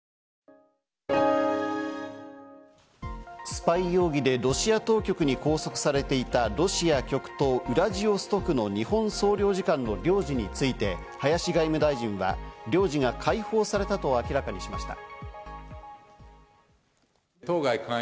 スパイ容疑でロシア当局に拘束されていたロシア極東ウラジオストクの日本国総領事館の領事について、林外務大臣は領事が解放されたと明らかにしました。